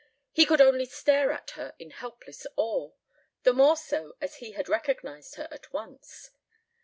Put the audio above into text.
He could only stare at her in helpless awe, the more so as he had recognized her at once.